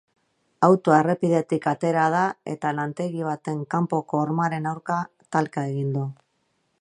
Autoa errepidetik atera da eta lantegi baten kanpoko hormaren aurka talka egin du.